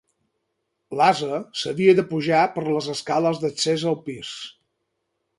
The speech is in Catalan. L’ase s’havia de pujar per les escales d’accés al pis.